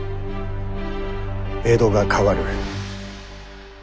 江戸が変わる。